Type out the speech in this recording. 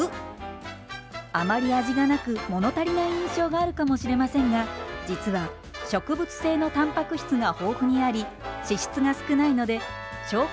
あまり味がなく物足りない印象があるかもしれませんが実は植物性のタンパク質が豊富にあり脂質が少ないので消化